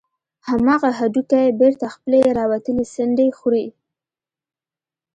همغه هډوکى بېرته خپلې راوتلې څنډې خوري.